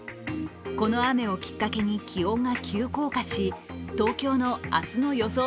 この雨をきっかけに気温が急降下し、東京の明日の予想